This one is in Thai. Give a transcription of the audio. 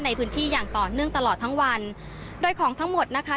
ในพื้นที่อย่างต่อเนื่องตลอดทั้งวันโดยของทั้งหมดนะคะ